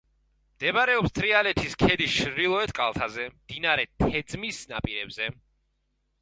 მდებარეობს თრიალეთის ქედის ჩრდილოეთ კალთაზე, მდინარე თეძმის ნაპირებზე.